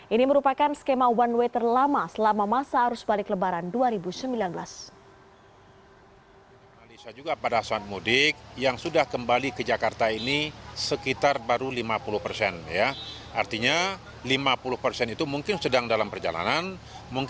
ini merupakan sebuah perjalanan yang sangat menarik